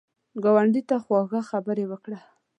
ګاونډي ته خواږه خبرې وکړه